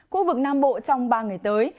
khu vực nam bộ trong ba ngày tới